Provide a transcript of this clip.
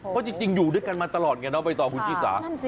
เพราะจริงอยู่ด้วยกันมาตลอดไงนะไปต่อภูมิศา